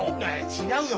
違うよ。